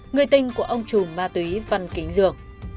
người tinh của ông trùm ma túy văn kính dương